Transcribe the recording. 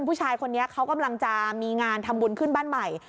ผู้ชายคนนี้เขากำลังจะมีงานทำบุญขึ้นบ้านใหม่